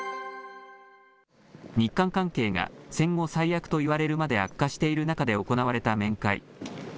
日韓関係が戦後最悪といわれるまで悪化している中で行われた面会。